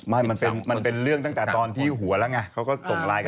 มันเป็นเรื่องตั้งแต่ตอนที่หัวแล้วไงเขาก็ส่งไลน์กัน